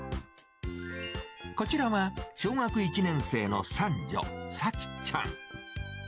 こちらは小学１年生の三女、幸ちゃん。